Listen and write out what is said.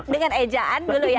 dengan ejaan dulu ya